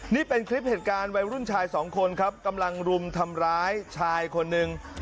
นี่เป็นคลิปเหตุการณ์วัยรุ่นชายสองคนครับกำลังรุมทำร้ายชายคนหนึ่ง